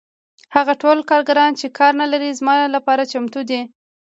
هغه ټول کارګران چې کار نلري زما لپاره چمتو دي